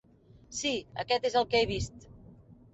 Sí, aquest és el que he vist.